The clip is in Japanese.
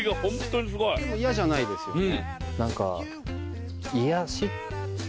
でも嫌じゃないですよね何か。